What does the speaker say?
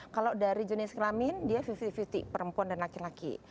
kalau dari jenis kelamin dia lima puluh lima puluh perempuan dan laki laki